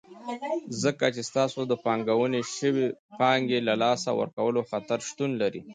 ځکه چې ستاسو د پانګونې شوي پانګې له لاسه ورکولو خطر شتون لري.